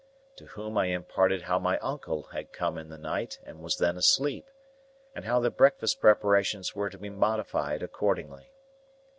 To whom I imparted how my uncle had come in the night and was then asleep, and how the breakfast preparations were to be modified accordingly.